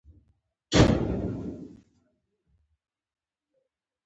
چوکۍ د ناستې لپاره کارېږي.